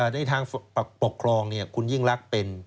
ในทางปกครองคุณยื่นลักษณ์เป็น